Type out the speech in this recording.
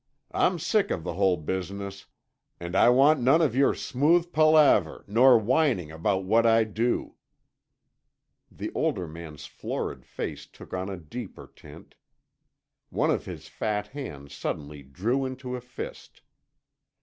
"I'm sick of the whole business, and I want none of your smooth palaver, nor whining about what I do." The older man's florid face took on a deeper tint. One of his fat hands suddenly drew into a fist.